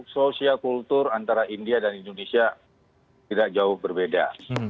sosial kultur antara india dan indonesia tidak jauh berbeda